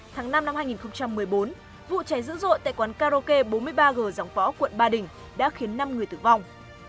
tháng năm năm hai nghìn một mươi bốn vụ cháy dữ dội tại quán karaoke bốn mươi ba g dòng võ quận ba đình đã khiến năm người tử vong